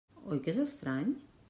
Oi que és estrany?